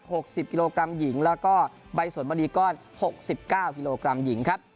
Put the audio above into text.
หกสิบกิโลกรัมหญิงแล้วก็ใบสวนมณีก้อนหกสิบเก้ากิโลกรัมหญิงครับ